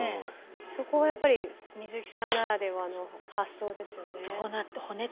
そこはやっぱり水木さんならではの発想ですよね。